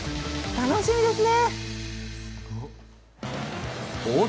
楽しみですね。